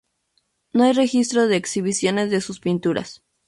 No hay registros de exhibiciones de sus pinturas.